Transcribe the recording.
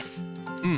うん？